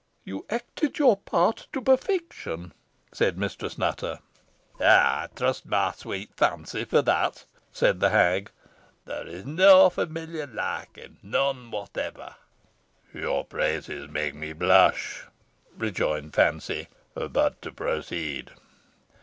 "You acted your part to perfection," said Mistress Nutter. "Ay, trust my sweet Fancy for that," said the hag "there is no familiar like him none whatever." "Your praises make me blush," rejoined Fancy. "But to proceed.